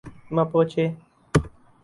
Mapuche